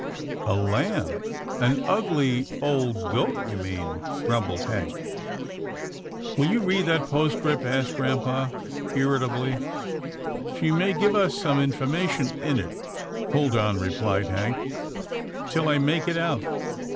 " A lamb — an ugly old goat you mean," grum bled Hank. " Will you read that postscript? " asked grampa, irritably, " she may give us some information in it." " Hold on," repHed Hank, " till I make it out.